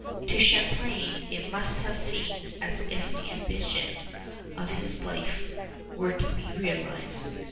To Champlain it must have seemed as if the ambition of his life were to be realized.